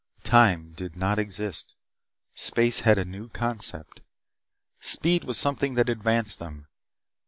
Time did not exist. Space had a new concept. Speed was something that advanced them.